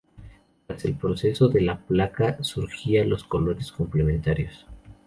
Tras el procesado de la placa surgían los colores complementarios.